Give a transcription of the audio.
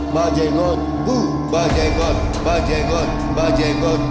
bajenggot mau bajebot bajebot bajebot